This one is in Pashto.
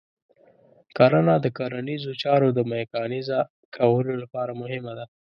کرنه د کرنیزو چارو د میکانیزه کولو لپاره مهمه ده.